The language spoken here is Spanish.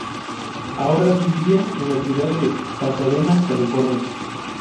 Ahora vivía en la ciudad de Pasadena, California.